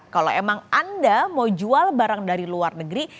kalau emang anda mau jual barang dari luar negeri